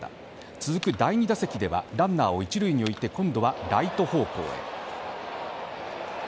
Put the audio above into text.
続く第２打席ではランナーを１塁において今度はライト方向へ。